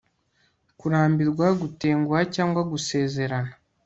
Kurambirwa gutenguha cyangwa gusezerana